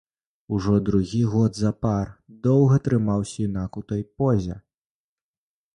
Ужо другі год запар доўга трымаўся юнак у той позе.